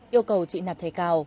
yêu cầu chị nạp thẻ cào